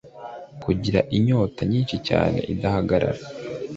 Kugira inyota nyinshi cyane idahagarara